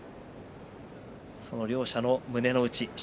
その両者の胸の内心